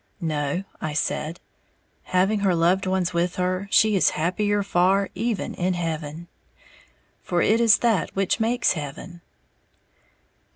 "No," I said, "having her loved ones with her, she is happier far, even in heaven. For it is that which makes heaven."